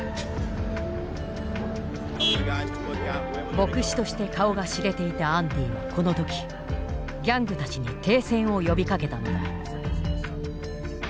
牧師として顔が知れていたアンディはこの時ギャングたちに停戦を呼びかけたのだ。